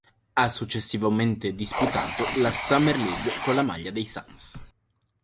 Ha successivamente disputato la Summer League con la maglia dei Suns.